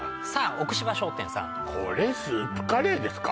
奥芝商店さんこれスープカレーですか？